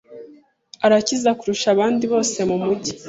Arakize kurusha abandi bose mumujyi.